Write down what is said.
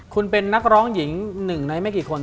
คุณเป็นนักร้องหญิงหนึ่งในไม่กี่คน